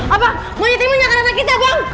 apa monyet ini menyakakan anak kita bang